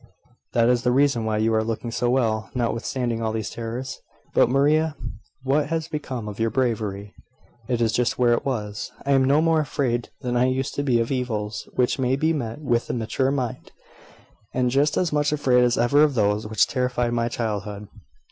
"That is the reason why you are looking so well, notwithstanding all these terrors. But, Maria, what has become of your bravery?" "It is just where it was. I am no more afraid than I used to be of evils which may be met with a mature mind: and just as much afraid as ever of those which terrified my childhood."